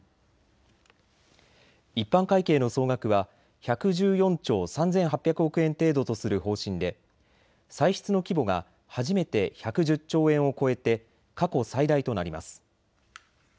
一般会計の総額は１１４兆３８００億円程度とする方針で歳出の規模が初めて１１０兆円を超えて過去最大となります。